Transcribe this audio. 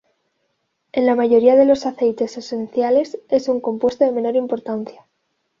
En la mayoría de los aceites esenciales, es un compuesto de menor importancia.